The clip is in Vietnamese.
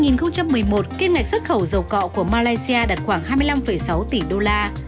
năm hai nghìn một mươi một kim ngạch xuất khẩu dầu cọ của malaysia đạt khoảng hai mươi năm sáu tỷ đô la